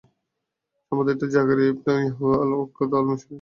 সম্ভবত এটা যাকারিয়া ইবন ইয়াহয়া আল ওক্কাদ আল মিসরীর মনগড়া বর্ণনা।